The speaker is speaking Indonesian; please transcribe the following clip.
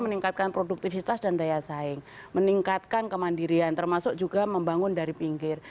meningkatkan produktivitas dan daya saing meningkatkan kemandirian termasuk juga membangun dari pinggir